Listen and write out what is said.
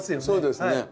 そうですね。